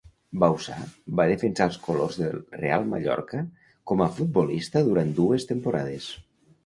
Bauçà va defensar els colors del Real Mallorca com a futbolista durant dues temporades.